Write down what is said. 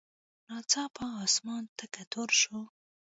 ناڅاپه اسمان تک تور شو.